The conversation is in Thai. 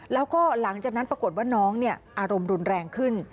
แล้วก็หลังจากนั้นปรากฏว่าน้องอารมณ์รุนแรงขึ้น